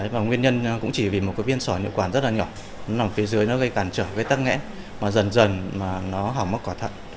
và nguyên nhân cũng chỉ vì một cái viên sỏi niệu quả rất là nhỏ nó nằm phía dưới nó gây cản trở gây tăng nghẽ mà dần dần nó hỏng mất quả thận